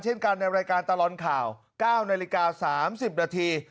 เช่นกันในรายการตลอดข่าว๙นาฬิกา๓๐นาที